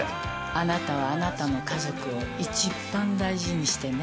あなたはあなたの家族をいちばん大事にしてね。